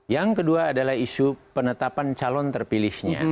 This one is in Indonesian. yang kedua adalah isu penetapan calon terpilihnya